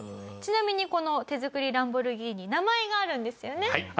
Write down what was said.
ちなみにこの手作りランボルギーニ名前があるんですよね？